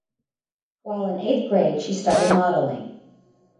While in eighth grade, she started modelling.